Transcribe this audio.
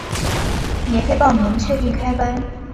免费报名，确定开班